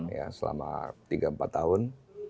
ya selama tiga empat tahun